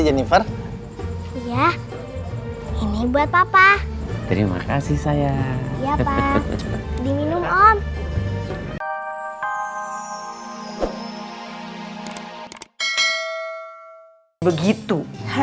jennifer iya ini buat papa terima kasih sayang ya pak diminum om begitu